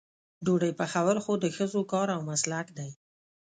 ډوډۍ پخول خو د ښځو کار او مسلک دی.